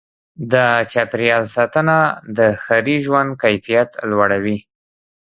د چاپېریال ساتنه د ښاري ژوند کیفیت لوړوي.